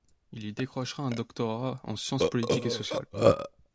Il y décrochera un doctorat en sciences politiques et sociales.